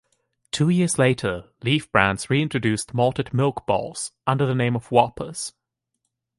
Two years later, Leaf Brands reintroduced malted milk balls under the name of Whoppers.